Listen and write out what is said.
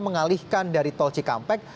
mengalihkan dari tol cikampek